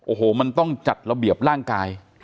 โอ้โหมันต้องจัดระเบียบร่างกาย